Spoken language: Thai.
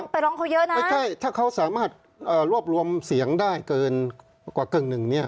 ไปร้องเขาเยอะนะไม่ใช่ถ้าเขาสามารถรวบรวมเสียงได้กว่าเกินหนึ่ง